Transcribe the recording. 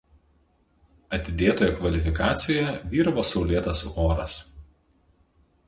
Atidėtoje kvalifikacijoje vyravo saulėtas oras.